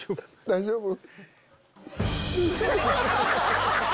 大丈夫？